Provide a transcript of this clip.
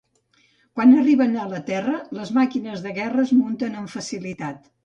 Quan arriben a la Terra, les màquines de guerra es munten amb facilitat.